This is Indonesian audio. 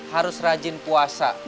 harus rajin puasa